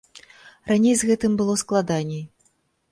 Раней з гэтым было складаней.